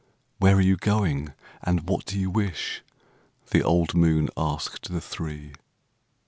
"Where are you going, and what do you wish?" The old moon asked the three.